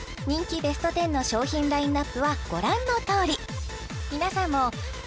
人気ベスト１０の商品ラインナップはご覧のとおり皆さんもＮｏ．１